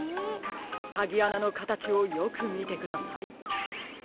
かぎあなのかたちをよくみてください。